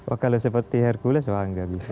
oh kalau seperti hercules wah nggak bisa